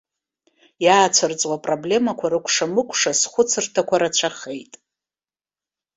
Иаацәырҵуа апроблемақәа рыкәшамыкәша схәыцырҭақәа рацәахеит.